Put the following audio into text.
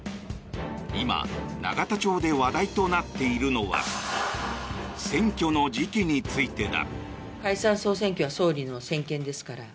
今、永田町で話題となっているのは選挙の時期についてだ。